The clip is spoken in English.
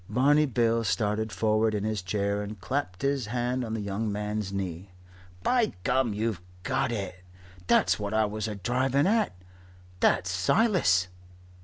Barney Bill started forward in his chair and clapped his hand on the young man's knee. "By gum! you've got it. That's what I was a driving at. That's Silas.